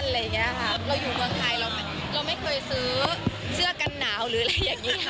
เราอยู่เมืองไทยเราไม่เคยซื้อเชื้อกันหนาวหรืออะไรอย่างนี้ให้เลยค่ะ